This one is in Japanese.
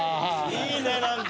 いいね何か。